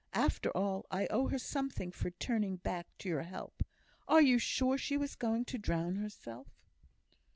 After all, I owe her something for turning back to your help. Are you sure she was going to drown herself?"